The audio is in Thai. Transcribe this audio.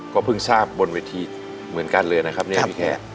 ก็เพิ่งทราบบนเวทีเหมือนกันเลยนะครับเนี่ยพี่แขก